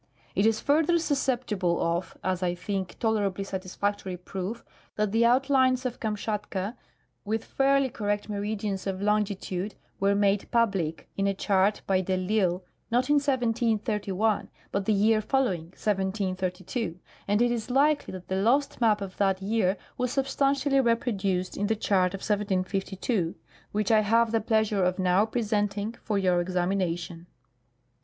It is further susceptible of, as I think, tolerably satisfactory proof that the outlines of Kamshatka, with fairly correct meridians of longitude, were made public in a chart by de I'Isle not in 1731, but the year following, 1732, and it is likely that the lost map of that j^ear was substantially reproduced in the chart of 1752, which I have the pleasure of now presenting for your examination.